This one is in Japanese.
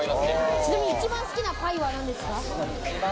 ちなみに一番好きな牌は何ですか？